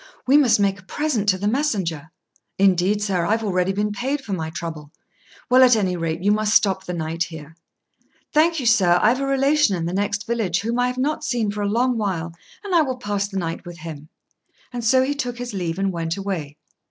"We must make a present to the messenger." "Indeed, sir, I've already been paid for my trouble." "Well, at any rate, you must stop the night here." "Thank you, sir: I've a relation in the next village whom I have not seen for a long while, and I will pass the night with him;" and so he took his leave, and went away.